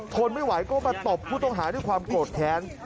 ทนไม่ไหวก็มาตบผู้ต้องหาด้วยความโกรธแค้น